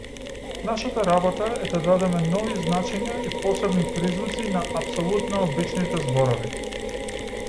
Нашата работа е да дадеме нови значења и посебни призвуци на апсолутно обичните зборови.